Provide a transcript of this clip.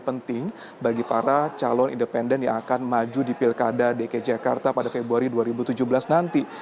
apakah ini adalah hal yang akan dilakukan oleh calon independen yang akan maju di pilkada dki jakarta pada februari dua ribu tujuh belas nanti